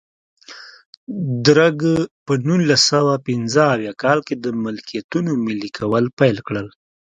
درګ په نولس سوه پنځه اویا کال کې د ملکیتونو ملي کول پیل کړل.